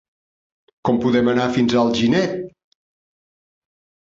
Com podem anar fins a Alginet?